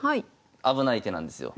危ない手なんですよ。